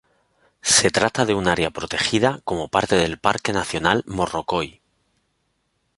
Se trata de un área protegida como parte del Parque nacional Morrocoy.